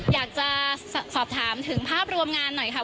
อยากจะสอบถามถึงภาพรวมงานหน่อยค่ะ